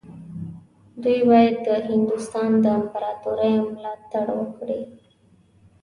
دوی باید د هندوستان د امپراطورۍ ملاتړ وکړي.